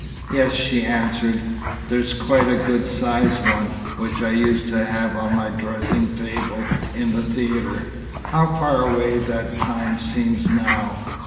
"Yes," she answered. "There's quite a good sized one, which I used to have on my dressing table in the theatre. How far away that time seems now!"